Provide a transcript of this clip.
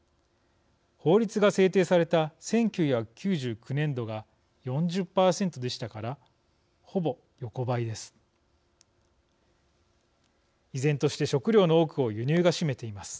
法律が制定された１９９９年度が４０％でしたからほぼ横ばいです。